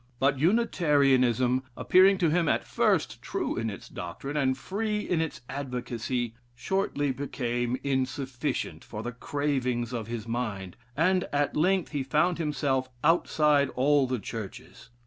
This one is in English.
But Unitarianism, appearing to him at first true in its doctrine and free in its advocacy, shortly became insufficient for the cravings of his mind; and, at length, he found himself outside all the churches.